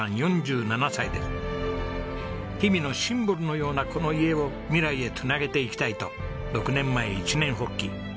氷見のシンボルのようなこの家を未来へ繋げていきたいと６年前一念発起。